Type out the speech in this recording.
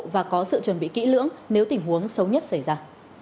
và có sự chuẩn bị kỹ lưỡng nếu tình huống xấu nhất xảy ra